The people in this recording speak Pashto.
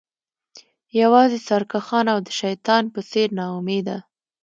یوازې سرکښان او د شیطان په څیر ناامیده